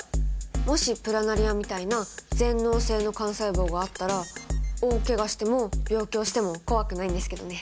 もしプラナリアみたいな全能性の幹細胞があったら大けがしても病気をしても怖くないんですけどね。